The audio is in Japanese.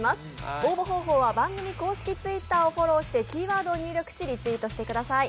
応募方法は番組公式ツイッターをフォローしてキーワードを入力してリツイーとしてください。